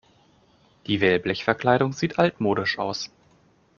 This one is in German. Die Wellblechverkleidung sieht altmodisch aus.